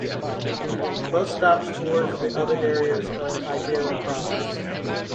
Bus stops towards other areas of Heredia province.